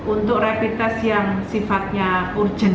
untuk rapi tes yang sifatnya urgent